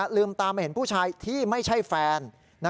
ลืมตามมาเห็นผู้ชายที่ไม่ใช่แฟน